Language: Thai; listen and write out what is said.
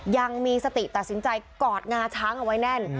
ยังมีสติตัดสินใจกอดงาช้างเอาไว้แน่น